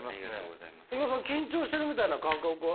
今緊張してるみたいな感覚は？